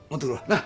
なっ。